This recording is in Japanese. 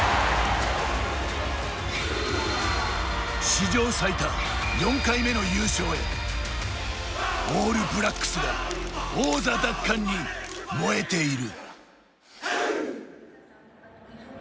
史上最多４回目の優勝へオールブラックスが王座奪還に燃えている。